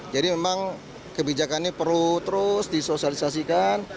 jadi memang kebijakan ini perlu terus disosialisasikan